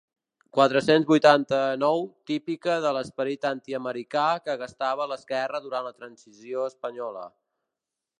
Quatre-cents vuitanta-nou típica de l'esperit antiamericà que gastava l'esquerra durant la transició espanyola.